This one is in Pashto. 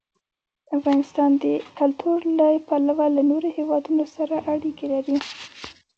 افغانستان د کلتور له پلوه له نورو هېوادونو سره اړیکې لري.